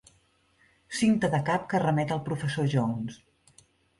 Cinta de cap que remet al professor Jones.